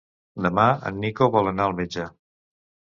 Demà en Nico vol anar al metge.